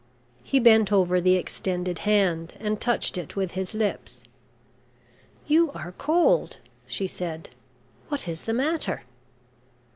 He bent over the extended hand and touched it with his lips. "You are cold," she said. "What is the matter?"